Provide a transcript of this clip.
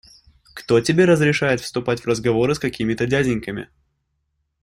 Кто тебе разрешает вступать в разговоры с какими-то дяденьками?